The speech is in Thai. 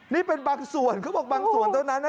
นี่เป็นบางส่วนเขาบอกบางส่วนเท่านั้นนะ